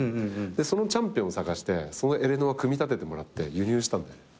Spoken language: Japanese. そのチャンピオンを探してエレノア組み立ててもらって輸入したんだよね。